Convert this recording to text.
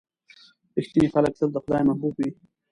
• رښتیني خلک تل د خدای محبوب وي.